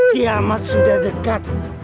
kiamat sudah dekat